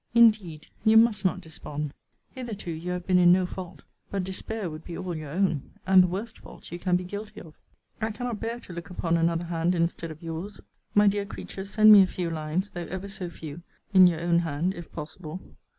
Indeed you must not despond! Hitherto you have been in no fault: but despair would be all your own: and the worst fault you can be guilty of. I cannot bear to look upon another hand instead of your's. My dear creature, send me a few lines, though ever so few, in your own hand, if possible.